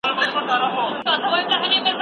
هغه شاګرد چي ډېره مطالعه کوي لایق وي.